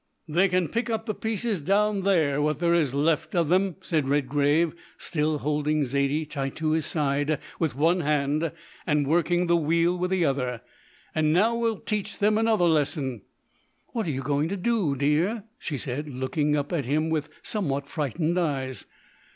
"They can pick up the pieces down there, what there is left of them," said Redgrave, still holding Zaidie tight to his side with one hand and working the wheel with the other, "and now we'll teach them another lesson." "What are you going to do, dear?" she said, looking up at him with somewhat frightened eyes.